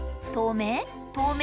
透明？